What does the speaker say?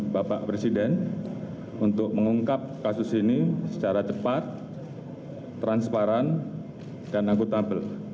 bapak presiden untuk mengungkap kasus ini secara cepat transparan dan akutabel